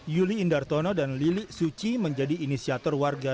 yuli indartono dan lili suci menjadi inisiator warga